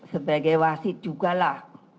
sebagai wasit juga lah